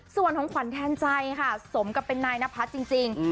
ส่วนของขวัญแทนใจค่ะสมกับเป็นนายนพัฒน์จริง